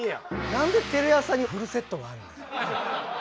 なんでテレ朝にフルセットがあんねん。